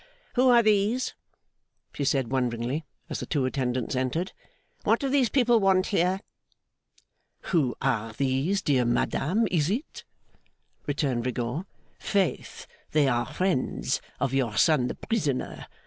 'Who are these?' she said, wonderingly, as the two attendants entered. 'What do these people want here?' 'Who are these, dear madame, is it?' returned Rigaud. 'Faith, they are friends of your son the prisoner.